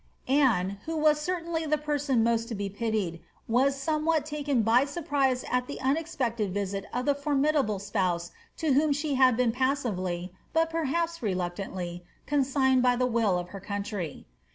' Anne, who was certainly the person most to be pitied, was somewhat taken by surprise at the unexpected visit of the formidable apouae to whom she had been passively, but perhaps reluctantly, consigned by the will of her country.